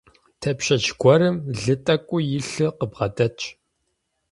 Тепщэч гуэрым лы тӀэкӀуи илъу къыбгъэдэтщ.